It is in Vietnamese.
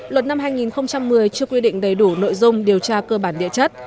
luật năm hai nghìn một mươi chưa quy định đầy đủ nội dung điều tra cơ bản địa chất